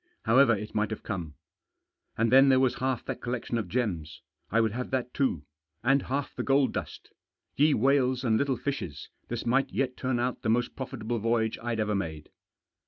However it might have come. And then there was half that collection of gems — I would have that too. And half the gold dust Ye whales and little fishes ! this might yet turn out the most profitable voyage I'd ever made.